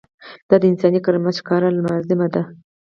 دا د انساني کرامت ښکاره لازمه ده.